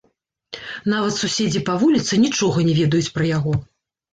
Нават суседзі па вуліцы нічога не ведаюць пра яго.